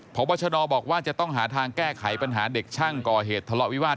พบชนบอกว่าจะต้องหาทางแก้ไขปัญหาเด็กช่างก่อเหตุทะเลาะวิวาส